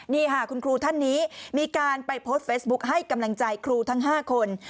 นี่ค่ะคุณครูท่านนี้มีการไปโพสต์เฟซบุ๊คให้กำลังใจครูทั้ง๕คน